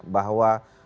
bahwa sekarang ini